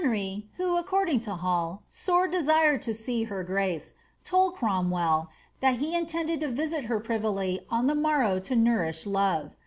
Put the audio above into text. HeDry, who, according lo Hall, ^sore desired to see her grace,^ told Cromwelly ^ that he intended to viait her privily od the morrow to nonriah love.